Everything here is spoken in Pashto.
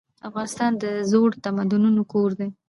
افغانستان د زړو تمدنونو کور دی.